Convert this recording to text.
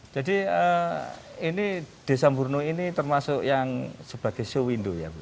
jadi desa mburnu ini termasuk yang sebagai show window ya bu